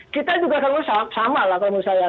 kita juga kalau sama lah kalau menurut saya